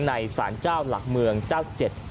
สารเจ้าหลักเมืองเจ้าเจ็ด